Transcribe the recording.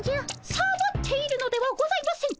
サボっているのではございません。